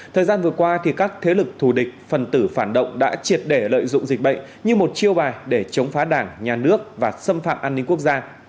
thời gian vừa qua các thế lực thù địch phần tử phản động đã triệt để lợi dụng dịch bệnh như một chiêu bài để chống phá đảng nhà nước và xâm phạm an ninh quốc gia